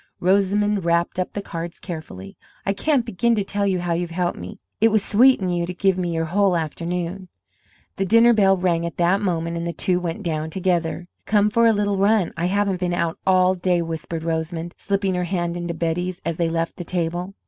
Rosamond wrapped up the cards carefully. "I can't begin to tell you how you've helped me. It was sweet in you to give me your whole afternoon." The dinner bell rang at that moment, and the two went down together. "Come for a little run; I haven't been out all day," whispered Rosamond, slipping her hand into Betty's as they left the table.